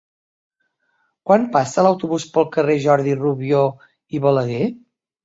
Quan passa l'autobús pel carrer Jordi Rubió i Balaguer?